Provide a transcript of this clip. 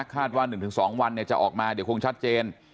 คาดว่า๑๒วันจะออกมาเดี๋ยวคงชัดเจน